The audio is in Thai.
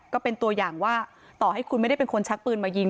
ก็เป็นตัวอย่างว่าต่อให้คุณไม่ได้เป็นคนชักปืนมายิง